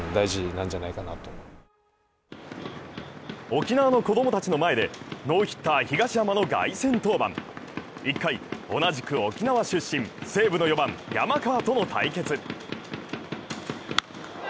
沖縄の子供たちの前でノーヒッター・東浜の凱旋登板１回、同じく沖縄出身、西武の４番・山川との対決。